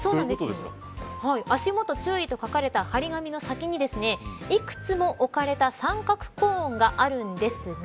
足下注意と書かれた張り紙の先に幾つも置かれた三角コーンがあるんですが